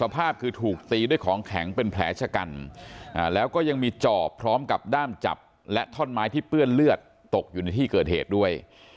สภาพคือถูกตีด้วยของแข็งเป็นแผลชะกันแล้วก็ยังมีจอบพร้อมกับด้ามจับและท่อนไม้ที่เปื้อนเลือดตกอยู่ในที่เกิดเหตุด้วย